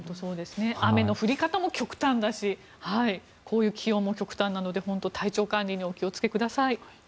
雨の降り方も極端だしこういう気温も極端なので体調管理にお気をつけください。